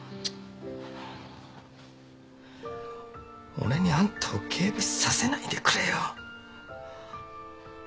俺にあんたを軽蔑させないでくれよ。